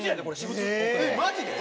マジで？